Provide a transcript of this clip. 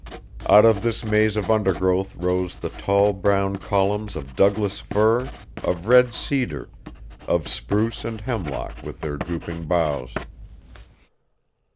Out of this maze of undergrowth rose the tall brown columns of Douglas fir, of red cedar, of spruce and hemlock with their drooping boughs.